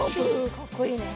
かっこいいね。